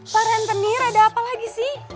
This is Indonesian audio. parantenir ada apa lagi sih